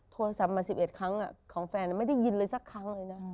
โทรศัพท์มา๑๑ครั้งของแฟนไม่ได้ยินเลยสักครั้งเลยนะ